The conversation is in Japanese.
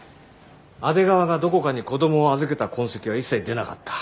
阿出川がどこかに子供を預けた痕跡は一切出なかった。